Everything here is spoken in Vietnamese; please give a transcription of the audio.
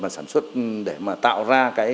sản xuất để mà tạo ra